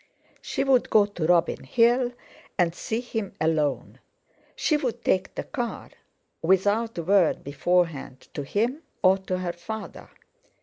She would go to Robin Hill and see him—alone; she would take the car, without word beforehand to him or to her father.